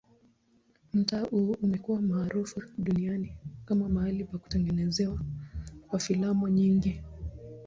Mtaa huu umekuwa maarufu duniani kama mahali pa kutengenezwa kwa filamu nyingi.